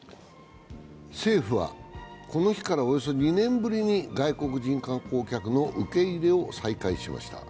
政府は、この日からおよそ２年ぶりに外国人観光客の受け入れを再開しました。